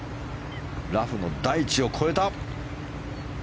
ラフの台地を越えた！